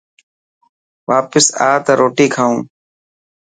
واپس آءِ ته روٽي کائون.